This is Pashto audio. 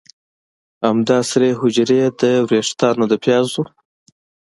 همدا سرې حجرې د ویښتانو د پیازو